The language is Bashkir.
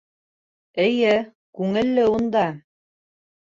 — Эйе, күңелле унда...